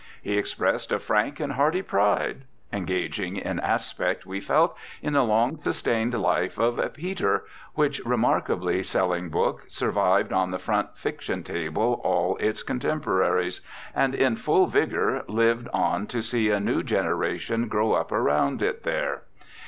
He expressed a frank and hearty pride (engaging in aspect, we felt) in the long sustained life of "Peter," which remarkably selling book survived on the front fiction table all its contemporaries, and in full vigour lived on to see a new generation grow up around it there.